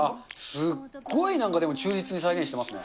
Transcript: すっごいなんか忠実に再現してますね。